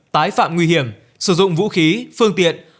tái phạm nguy hiểm sử dụng vũ khí phương tiện